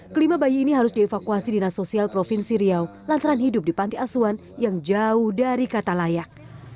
kelima bayi ini harus dievakuasi dinas sosial provinsi riau lantaran hidup di panti asuhan yang jauh dari kata layak